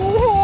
wah minum nih